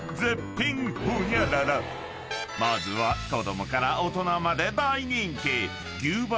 ［まずは子供から大人まで大人気］